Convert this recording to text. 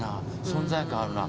存在感あるな。